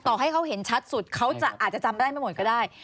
ต่อให้เขาเห็นชัดสุดเขาอาจจะจำได้ไม่หมดก็ได้